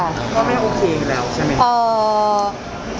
คุณพ่อคุณแม่โอเคแล้วใช่มั้ย